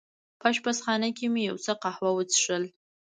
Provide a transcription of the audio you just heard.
په اشپزخانه کې مې یو څه قهوه وڅېښل.